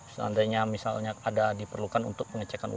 seandainya misalnya ada diperlukan untuk penyelidikannya